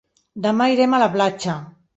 Demà irem a la platja.